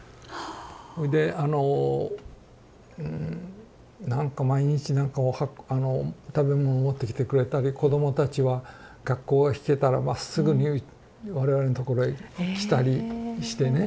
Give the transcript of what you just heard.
それであのなんか毎日なんかあの食べ物持ってきてくれたり子どもたちは学校が引けたらまっすぐに我々のところへ来たりしてね。